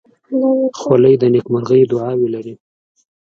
خولۍ د نیکمرغۍ دعاوې لري.